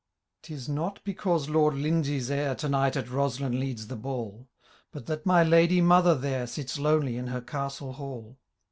'Tis not because Lord Lindesay^ heir To night at Boslin leads the ball. But that my ladye mother there .Sits lonely in her castle hall.